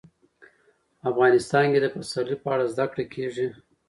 افغانستان کې د پسرلی په اړه زده کړه کېږي.